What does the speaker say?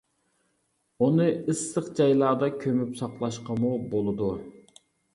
ئۇنى ئىسسىق جايلاردا كۆمۈپ ساقلاشقىمۇ بولىدۇ.